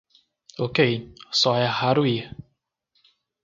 Ok, só é raro ir